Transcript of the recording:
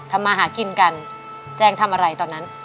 มาหากินกันแจงทำอะไรตอนนั้น